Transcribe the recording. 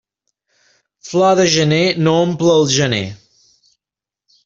Flor de gener no omple el gener.